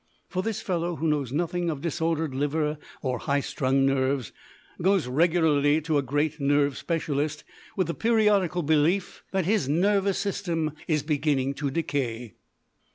For this fellow, who knows nothing of disordered liver or high strung nerves, goes regularly to a great nerve specialist with the periodical belief that his nervous system is beginning to decay.